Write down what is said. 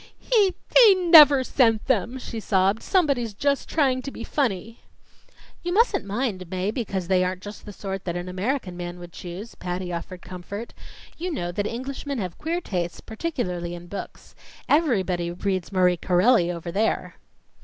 "He he never sent them!" she sobbed. "Somebody's just trying to be funny." "You mustn't mind, Mae, because they aren't just the sort that an American man would choose," Patty offered comfort. "You know that Englishmen have queer tastes, particularly in books. Everybody reads Marie Corelli over there."